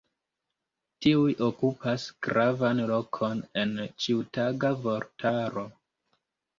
Tiuj okupas gravan lokon en ĉiutaga vortaro.